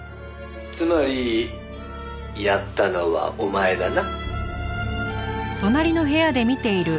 「つまりやったのはお前だな？」